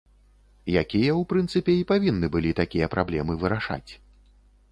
Якія, у прынцыпе, і павінны былі такія праблемы вырашаць.